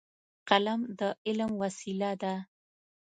قلم د علم وسیله ده.